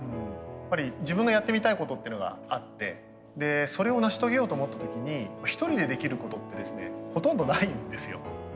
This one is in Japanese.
やっぱり自分のやってみたいことっていうのがあってそれを成し遂げようと思った時に一人でできることってですねほとんどないんですよ。